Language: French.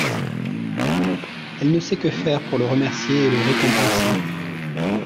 Elle ne sait que faire pour le remercier et le récompenser.